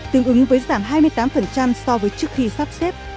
tương ứng với giảm hai mươi tám so với trước khi sắp xếp